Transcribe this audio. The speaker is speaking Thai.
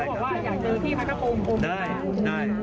ครับ